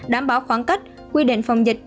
đảm bảo khoảng cách quy định phòng dịch